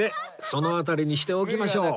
その辺りにしておきましょう